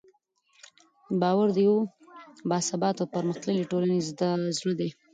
باور د یوې باثباته او پرمختللې ټولنې زړه دی.